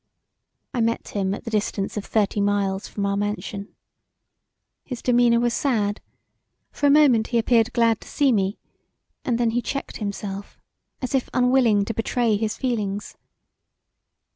I met him at the distance of thirty miles from our mansion. His demeanour was sad; for a moment he appeared glad to see me and then he checked himself as if unwilling to betray his feelings.